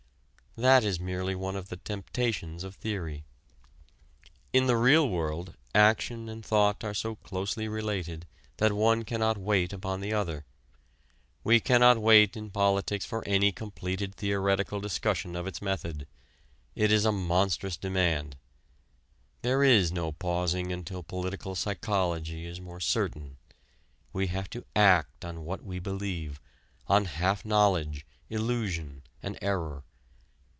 That is merely one of the temptations of theory. In the real world, action and thought are so closely related that one cannot wait upon the other. We cannot wait in politics for any completed theoretical discussion of its method: it is a monstrous demand. There is no pausing until political psychology is more certain. We have to act on what we believe, on half knowledge, illusion and error.